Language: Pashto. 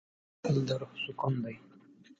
• بښل د روح سکون دی.